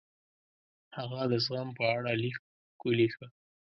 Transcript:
هغه د زغم په اړه لیک ولیکه.